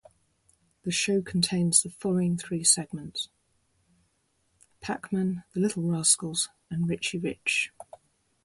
The show contains the following three segments: "Pac-Man", "The Little Rascals" and "Richie Rich".